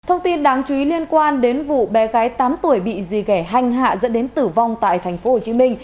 thông tin đáng chú ý liên quan đến vụ bé gái tám tuổi bị dì ghẻ hanh hạ dẫn đến tử vong tại tp hcm